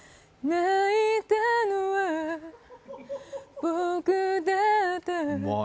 泣いたのは僕だった